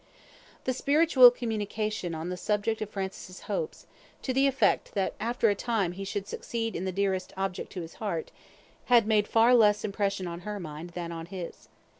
The spiritual communication on the subject of Francis' hopes, to the effect that after a time he should succeed in the object dearest to his heart, had made far less impression on her mind than on his.